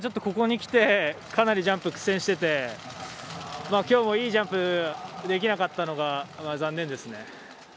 ここにきてかなりジャンプ苦戦しててきょうもいいジャンプできなかったのが残念ですね。